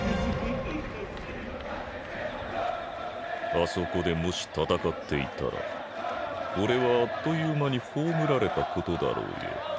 あそこでもし戦っていたら俺はあっという間に葬られたことだろうよ。